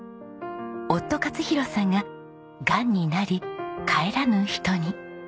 夫勝広さんががんになり帰らぬ人に。